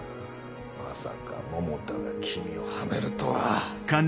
まさか百田が君をはめるとは。